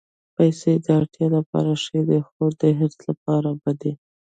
پېسې د اړتیا لپاره ښې دي، خو د حرص لپاره بدې.